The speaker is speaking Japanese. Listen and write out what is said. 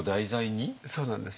そうなんです。